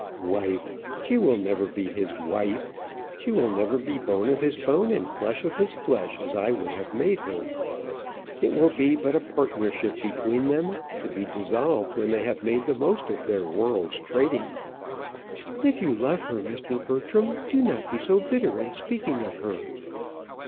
"Wife! she will never be his wife. She will never be bone of his bone, and flesh of his flesh, as I would have made her. It will be but a partnership between them, to be dissolved when they have made the most of their world's trading." "If you love her, Mr. Bertram, do not be so bitter in speaking of her."